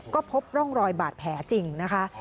ก็พบร่องรอยบาดแผลจริงนะคะ